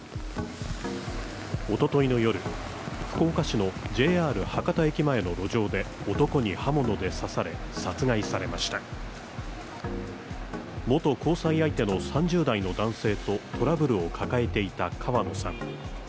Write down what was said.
おとといの夜、福岡市のＪＲ博多駅前の路上で男に刃物で刺され、殺害されました元交際相手の３０代の男性とトラブルを抱えていた川野さん。